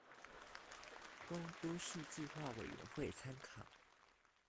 供都市計畫委員會參考